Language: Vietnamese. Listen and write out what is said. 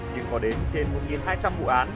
nhưng có đến trên một hai trăm linh vụ án